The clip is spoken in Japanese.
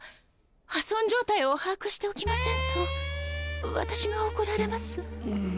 破損状態を把握しておきませんと私が怒られます。